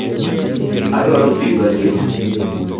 Adwaro pii maliet